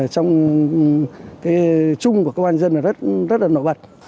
trong trung của công an nhân dân rất là nổi bật